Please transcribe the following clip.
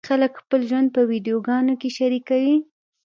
ځینې خلک خپل ژوند په ویډیوګانو کې شریکوي.